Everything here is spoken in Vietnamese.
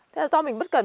thế là do mình bất cẩn